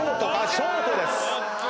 ショートです！